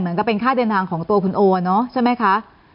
เหมือนกับเป็นค่าเดินทางของตัวคุณโอใช่ไหมคะ